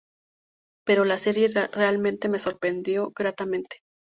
Pero la serie realmente me sorprendió gratamente.